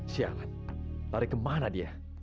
sialan lari kemana dia